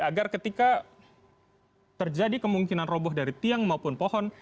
agar ketika terjadi kemungkinan roboh dari tiang maupun pohon